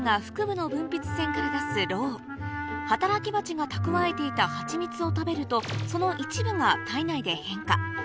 腹部の分泌腺から出すロウ働きバチが蓄えていたハチミツを食べるとその一部が体内で変化